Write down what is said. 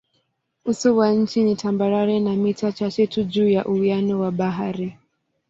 Uso wa nchi ni tambarare na mita chache tu juu ya uwiano wa bahari.